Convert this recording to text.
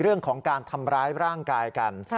เรื่องของการทำร้ายร่างกายกัน